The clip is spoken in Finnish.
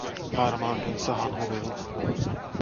Varmaankin Sahan hovilla.